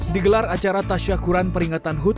digelar acara tasya kurang peringatan hud